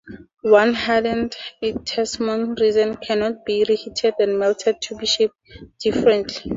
Once hardened a thermoset resin cannot be reheated and melted to be shaped differently.